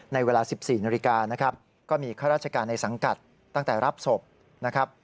ในเวลา๑๔นาฬิกานะครับก็มีข้าราชการในสังกัดตั้งแต่รับศพนะครับ